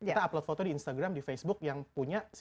kita upload foto di instagram di facebook yang punya